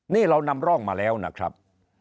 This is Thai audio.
นี่เรานำร่องมาแล้วนะครับ